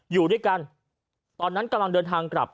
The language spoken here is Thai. อยู่ด้วยกันตอนนั้นกำลังเดินทางกลับ